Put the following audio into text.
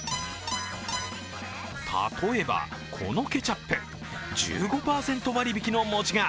例えばこのケチャップ、１５％割引の文字が。